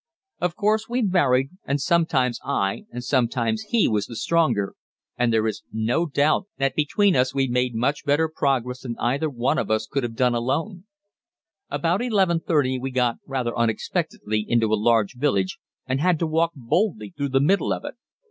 Of course we varied, and sometimes I and sometimes he was the stronger and there is no doubt that between us we made much better progress than either one of us could have done alone. About 11.30 we got rather unexpectedly into a large village and had to walk boldly through the middle of it.